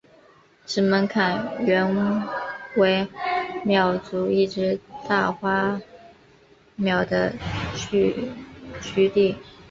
石门坎原为苗族一支大花苗的聚居地。